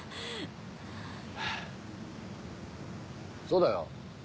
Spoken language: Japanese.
そうだよ。